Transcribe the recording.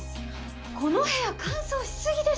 この部屋乾燥しすぎですよ！